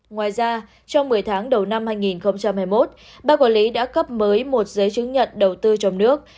ngoài ra trong một mươi tháng đầu năm hai nghìn hai mươi một ba quản lý đã cấp mới một giấy chứng nhận đầu tư trong nước